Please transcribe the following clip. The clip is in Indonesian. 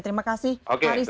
terima kasih haris azhar